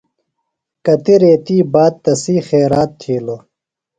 کتیۡ ریتیۡ باد تسی خیرات تھیلوۡ۔